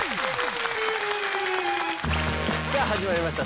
さあ始まりました